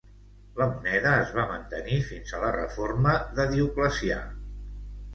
La moneda es va mantenir fins a la reforma de Dioclecià.